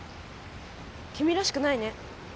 きみらしくないね。